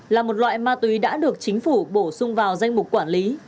là một loại ma túy đã được chính phủ bổ sung vào danh mục quản lý